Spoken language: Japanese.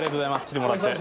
来てもらって。